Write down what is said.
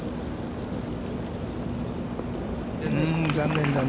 残念だね。